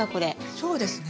そうですね。